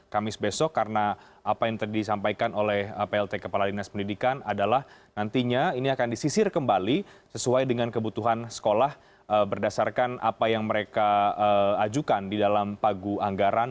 kamis besok karena apa yang tadi disampaikan oleh plt kepala dinas pendidikan adalah nantinya ini akan disisir kembali sesuai dengan kebutuhan sekolah berdasarkan apa yang mereka ajukan di dalam pagu anggaran